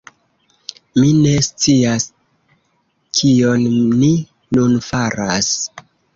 Mi ne scias kion ni nun faras...